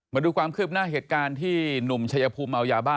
มาดูความคืบหน้าเหตุการณ์ที่หนุ่มชายภูมิเมายาบ้า